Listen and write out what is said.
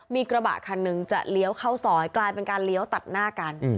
มีกระบะคันหนึ่งจะเลี้ยวเข้าซอยกลายเป็นการเลี้ยวตัดหน้ากัน